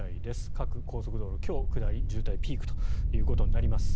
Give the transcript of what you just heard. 各高速道路、今日下り渋滞ピークということです。